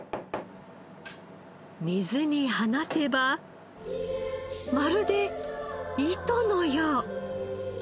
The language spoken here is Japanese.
水に放てばまるで糸のよう。